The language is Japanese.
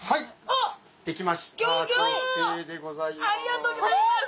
ありがとうございます。